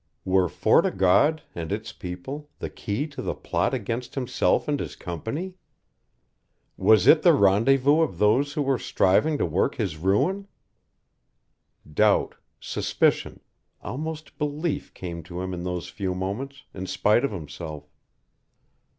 Were Fort o' God and its people the key to the plot against himself and his company? Was it the rendezvous of those who were striving to work his ruin? Doubt, suspicion, almost belief came to him in those few moments, in spite of himself.